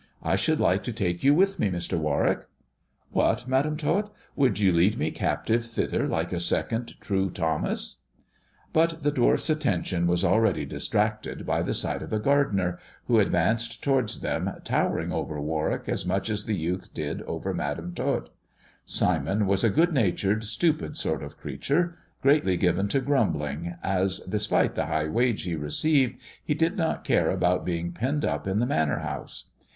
I should like to take you with me, Mr. Warwick." " What, Madam Tot, would you lead me captive thither like a second True Thomas 1 " But the dwarf's attention was already distracted by the sight of the gardener, who advanced towards them, tower ing over Warwick as much as the youth did over Madam Tot. Simon was a good natured, stupid sort of creature, greatly given to grumbling, as, despite the high wage he received, he did not care about being penned up in the Manor House.